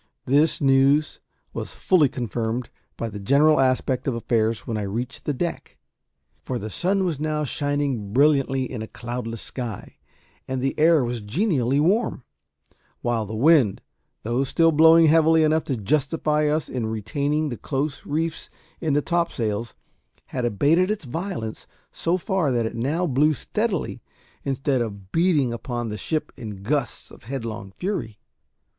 This news was fully confirmed by the general aspect of affairs when I reached the deck; for the sun was now shining brilliantly in a cloudless sky, and the air was genially warm; while the wind, though still blowing heavily enough to justify us in retaining the close reefs in the topsails, had abated its violence so far that it now blew steadily, instead of beating upon the ship in gusts of headlong fury.